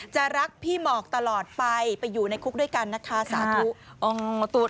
รักพี่หมอกตลอดไปไปอยู่ในคุกด้วยกันนะคะสาธุองค์